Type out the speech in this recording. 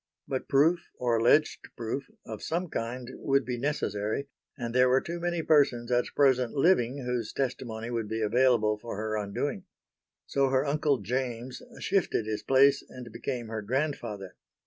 But proof, or alleged proof, of some kind would be necessary and there were too many persons at present living whose testimony would be available for her undoing. So her uncle James shifted his place and became her grandfather.